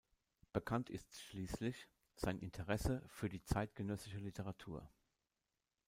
Bekannt ist schliesslich sein Interesse für die zeitgenössische Literatur.